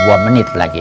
kurang dua menit lagi